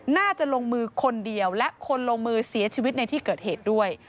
น่าจะลงมือคนเดียวและคนลงมือเสียชีวิตในที่เกิดเหตุด้วย